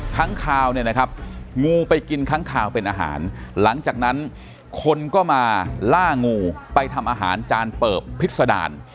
ค้างคาวเนี่ยนะครับงูไปกินค้างคาวเป็นอาหารหลังจากนั้นคนก็มาล่างูไปทำอาหารจานเปิบพิษดาร